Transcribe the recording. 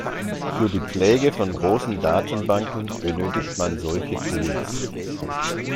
Für die Pflege von großen Datenbanken benötigt man solche Tools.